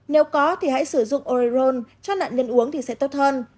nếu có thì hãy sử dụng oreone cho nạn nhân uống thì sẽ tốt hơn